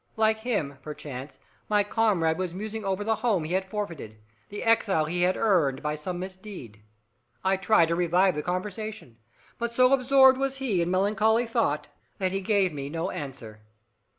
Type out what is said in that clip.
Like him, perchance, my comrade was musing over the home he had forfeited, the exile he had earned, by some misdeed. I tried to revive the conversation, but so absorbed was he in melancholy thought, that he gave me no answer.